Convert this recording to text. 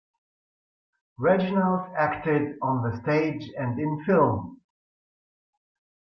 Reginald acted on the stage and in films.